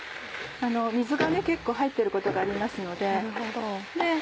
水が結構入ってることがありますので。